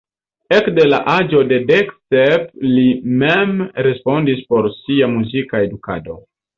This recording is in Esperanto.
Ekde la aĝo de dek sep li mem responsis por sia muzika edukado.